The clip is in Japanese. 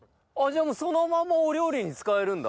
そのままお料理に使えるんだ？